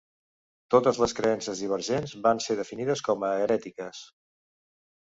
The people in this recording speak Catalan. Totes les creences divergents van ser definides com a herètiques.